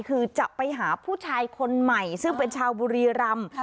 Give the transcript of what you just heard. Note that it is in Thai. คือจะไปหาผู้ชายคนใหม่ซึ่งเป็นชาวบุรีรำ